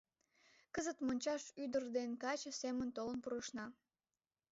— Кызыт мончаш ӱдыр ден каче семын толын пурышна.